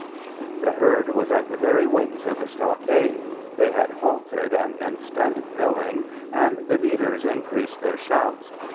_" The herd was at the very wings of the stockade. They had halted an instant, milling, and the beaters increased their shouts.